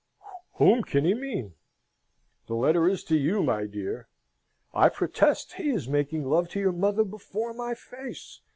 "Whom can he mean? The letter is to you, my dear. I protest he is making love to your mother before my face!"